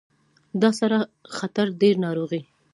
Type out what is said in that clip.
دا سره خطر ډیر ناروغۍ